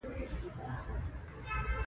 څانګې یې پر دیوال غوړولي وې.